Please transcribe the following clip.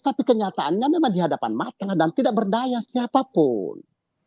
tapi kenyataannya memang dihadapan matla dan tidak berdaya siapapun